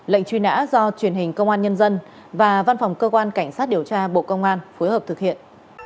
lệnh truy nã do truyền hình công an nhân dân và văn phòng cơ quan cảnh sát điều tra bộ công an phối hợp thực hiện